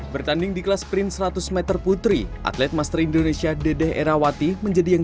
bertanding di kelas sprint seratus meter putri atlet master indonesia dedeh erawati menjadi yang